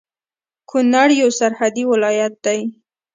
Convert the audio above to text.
کونړ يو سرحدي ولايت دی